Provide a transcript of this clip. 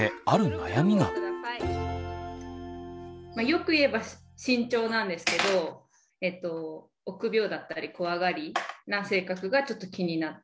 よく言えば慎重なんですけど臆病だったり怖がりな性格がちょっと気になっています。